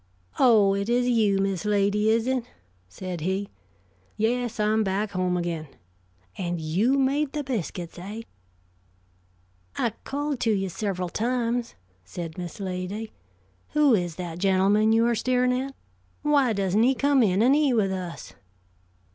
"Oh, it is you, Miss Lady, is it?" said he. "Yes, I'm back home again. And you made the biscuits, eh?" "I called to you several times," said Miss Lady. "Who is that gentleman you are staring at? Why doesn't he come in and eat with us?"